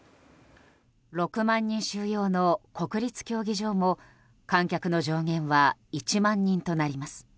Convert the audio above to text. ６万人収容の国立競技場も観客の上限は１万人となります。